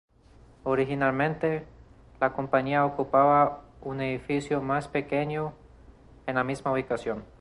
Originalmente, la compañía ocupaba un edificio más pequeño, en la misma ubicación.